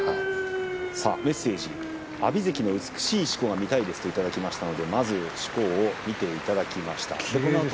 メッセージ阿炎関の美しいしこが見たいですといただきましたので、まずしこを見ていただきました。